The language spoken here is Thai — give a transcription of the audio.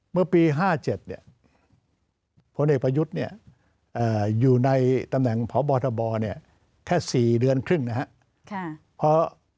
เมื่อปี๕๗พลเอกประยุทธ์อยู่ในตำแหน่งพบทบแค่๔เดือนครึ่งนะครับ